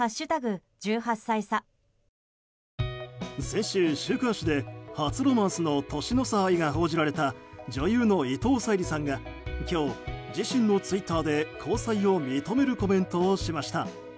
先週、週刊誌で初ロマンスの年の差愛が報じられた女優の伊藤沙莉さんが今日、自身のツイッターで交際を認めるコメントをしました。